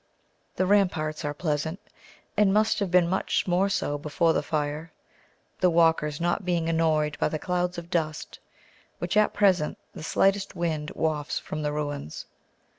The ramparts are pleasant, and must have been much more so before the fire, the walkers not being annoyed by the clouds of dust which, at present, the slightest wind wafts from the ruins.